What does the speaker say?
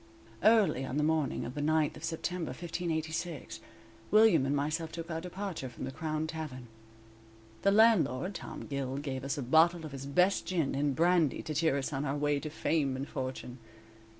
"_ Early on the morning of the 9th of September, 1586, William and myself took our departure from the Crown Tavern. The landlord, Tom Gill, gave us a bottle of his best gin and brandy to cheer us on our way to fame and fortune.